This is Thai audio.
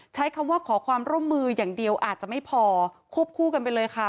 ใช้คำว่าขอความร่วมมืออย่างเดียวอาจจะไม่พอควบคู่กันไปเลยค่ะ